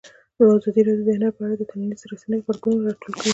ازادي راډیو د هنر په اړه د ټولنیزو رسنیو غبرګونونه راټول کړي.